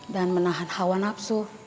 dan menahan hawa nafsu